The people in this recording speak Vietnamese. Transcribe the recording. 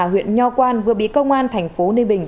huyện nho quan vừa bị công an thành phố ninh bình